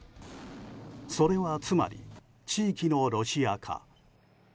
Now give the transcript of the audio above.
それはつまり、地域のロシア化。